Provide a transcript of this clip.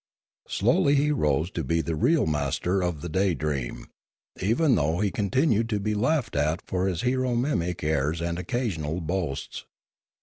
Slowly he rose to be the real master of the Daydream^ even though he continued to be laughed at for his hero mimic airs and his occasional boasts.